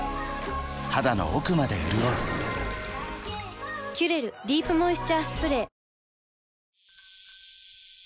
肌の奥まで潤う「キュレルディープモイスチャースプレー」チリーン。